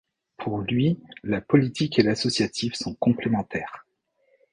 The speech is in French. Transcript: Pour lui, la politique et l’associatif sont complémentaires.